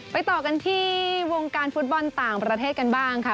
ต่อกันที่วงการฟุตบอลต่างประเทศกันบ้างค่ะ